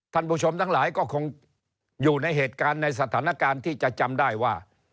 ท่านผู้ชมทั้งหลายก็คงอยู่ในเหตุการณ์ในสถานการณ์ที่จะจำได้ว่า